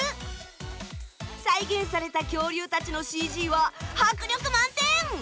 再現された恐竜たちのＣＧは迫力満点！